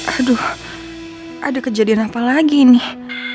aduh ada kejadian apa lagi nih